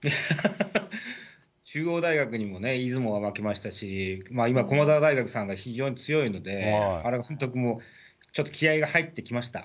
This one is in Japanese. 中央大学にも出雲は負けましたし、今、駒澤大学さんが非常に強いので、ちょっと気合いが入ってきました。